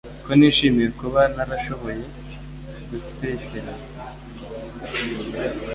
ko nishimiye kuba narashoboye gutekereza